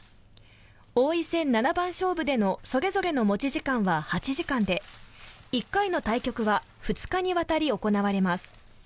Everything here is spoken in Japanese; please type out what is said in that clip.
王位戦七番勝負でのそれぞれの持ち時間は８時間で１回の対局は２日にわたり行われます。